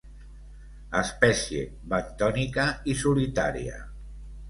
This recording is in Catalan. Espècie bentònica i solitària.